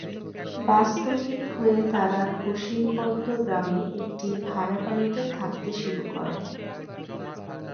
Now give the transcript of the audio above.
বাস্তুহীন হয়ে তাঁরা খশিরবন্দ গ্রামে একটি ভাড়া বাড়িতে থাকতে শুরু করেন।